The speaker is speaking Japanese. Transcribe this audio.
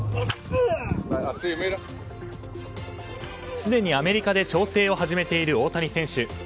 すでにアメリカで調整を始めている大谷選手。